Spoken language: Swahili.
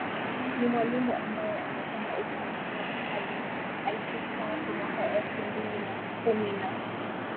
ni mwalimu ambaye amefanya utumishi wake hadi alipostaafu mwaka elfu mbili na kumi na